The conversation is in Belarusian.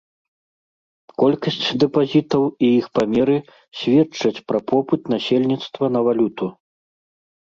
Колькасць дэпазітаў і іх памеры сведчаць пра попыт насельніцтва на валюту.